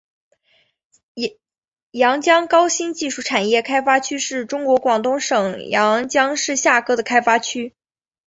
阳江高新技术产业开发区是中国广东省阳江市下辖的开发区。